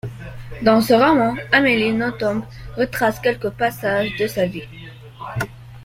Dans ce roman, Amélie Nothomb retrace quelques passages de sa vie.